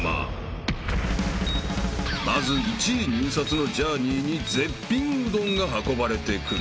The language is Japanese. ［まず１位入札のジャーニーに絶品うどんが運ばれてくる］